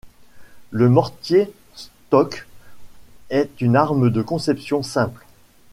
Le mortier Stokes est une arme de conception simple.